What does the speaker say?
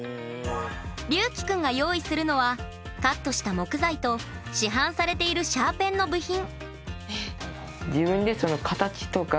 りゅうきくんが用意するのはカットした木材と市販されているシャーペンの部品。